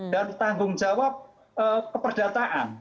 dan tanggung jawab keperdataan